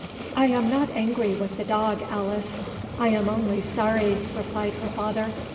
"I am not angry with the dog, Alice; I am only sorry," replied her father.